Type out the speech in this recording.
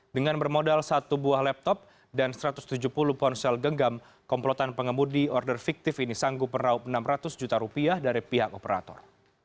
dengan bermodal satu buah laptop dan satu ratus tujuh puluh ponsel genggam komplotan pengemudi order fiktif ini sanggup meraup enam ratus juta rupiah dari pihak operator